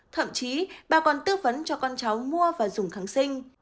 thậm chí bà còn tư vấn cho con cháu mua và dùng kháng sinh